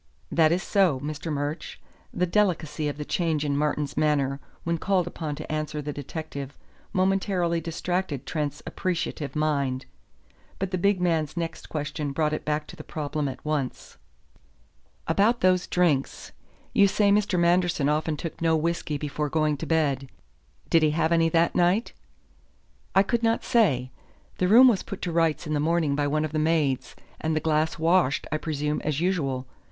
"That is so, Mr. Murch." The delicacy of the change in Martin's manner when called upon to answer the detective momentarily distracted Trent's appreciative mind. But the big man's next question brought it back to the problem at once. "About those drinks. You say Mr. Manderson often took no whisky before going to bed. Did he have any that night?" "I could not say. The room was put to rights in the morning by one of the maids, and the glass washed, I presume, as usual.